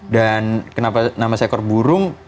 dan kenapa nama seekor burung